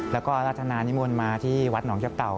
แล้วก็รัฐนานิมนต์มาที่วัดหนองยับเต่า